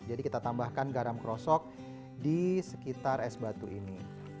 jadi kita tambahkan garam krosok di sekitar es batu ini